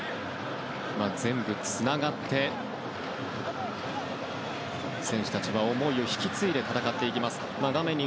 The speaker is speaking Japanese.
全部つながって選手たちは思いを引き継いで戦っていきます。